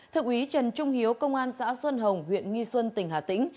thượng úy trần trung hiếu công an xã xuân hồng huyện nghi xuân tỉnh hà tĩnh